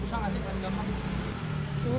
susah gak sih main gambang